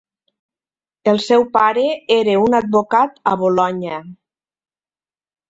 El seu pare era un advocat a Bolonya.